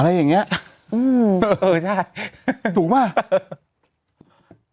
อะไรอย่างเงี้ยมริสัยเออใช่ถูกมาก